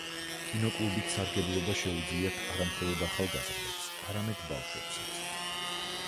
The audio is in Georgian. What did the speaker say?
კინო კლუბით სარგებლობა შეუძლიათ არამხოლოდ ახალგაზრდებს, არამედ ბავშვებსაც.